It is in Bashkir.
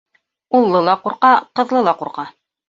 Уллы ла ҡурҡа, ҡыҙлы ла ҡурҡа.